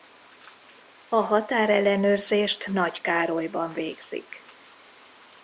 A határellenőrzést Nagykárolyban végzik.